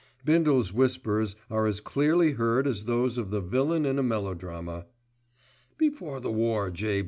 Bindle's whispers are as clearly heard as those of the villain in a melodrama. "Before the war, J.